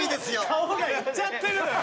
顔がいっちゃってるのよ。